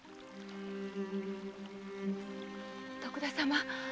徳田様。